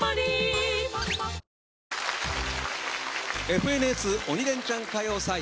「ＦＮＳ鬼レンチャン歌謡祭」。